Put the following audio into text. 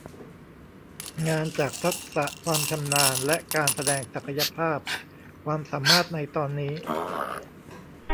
งานจากทักษะความชำนาญและการแสดงศักยภาพความสามารถในตอนนี้